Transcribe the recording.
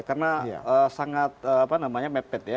karena sangat mepet ya